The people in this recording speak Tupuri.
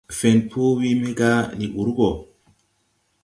Fẽn po wii me gá ndi ur gɔ.